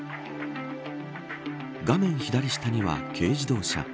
画面左下には軽自動車。